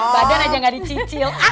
badan aja ga dicicil